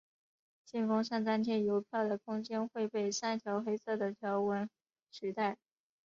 信封上张贴邮票的空间会被三条黑色的条纹取代。